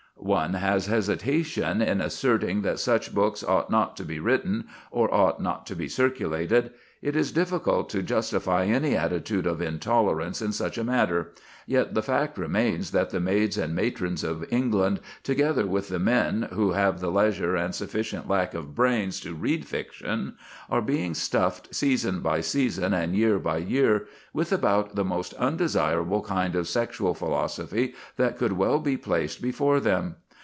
One has hesitation in asserting that such books ought not to be written or ought not to be circulated. It is difficult to justify any attitude of intolerance in such a matter; yet the fact remains that the maids and matrons of England, together with the men who have the leisure and sufficient lack of brains to read fiction, are being stuffed season by season and year by year with about the most undesirable kind of sexual philosophy that could well be placed before them.